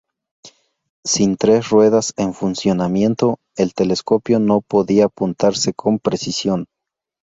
Sin tres ruedas en funcionamiento, el telescopio no podía apuntarse con precisión.